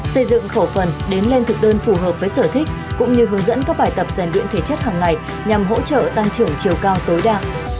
xây dựng khẩu phần đến lên thực đơn phù hợp với sở thích cũng như hướng dẫn các bài tập rèn luyện thể chất hàng ngày nhằm hỗ trợ tăng trưởng chiều cao tối đa